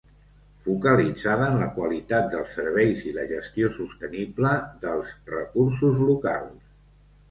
Focalitzada en la qualitat dels serveis i la gestió sostenible dels recursos locals.